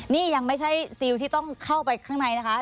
นี่ยังไม่ใช่ซิลที่ต้องเข้าไปข้างในนะคะ